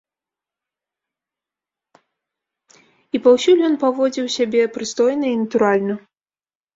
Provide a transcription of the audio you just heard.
І паўсюль ён паводзіў сябе прыстойна і натуральна.